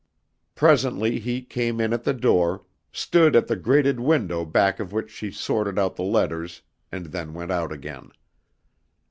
Presently he came in at the door, stood at the grated window back of which she sorted out the letters and then went out again.